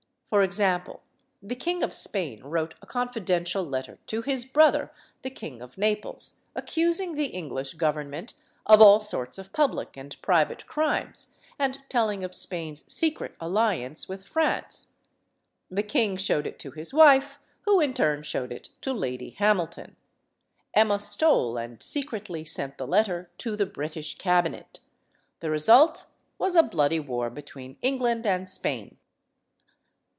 For example, the King of Spain wrote a confi dential letter to his brother, the King of Naples, accus ing the English government of all sorts of public and private crimes and telling of Spain's secret alliance with France. The king showed it to his wife, who in turn showed it to Lady Hamilton. Emma stole and secretly sent the letter to the British cabinet. The result was a bloody war between England and Spain.